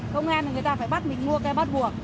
công an là người ta phải bắt mình mua cái bắt buộc